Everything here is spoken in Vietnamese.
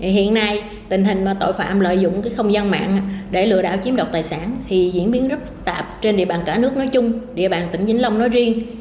hiện nay tình hình tội phạm lợi dụng không gian mạng để lừa đảo chiếm đoạt tài sản diễn biến rất phức tạp trên địa bàn cả nước nói chung địa bàn tỉnh vĩnh long nói riêng